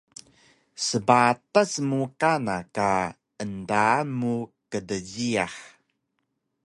Sbatas mu kana ka endaan mu kdjiyax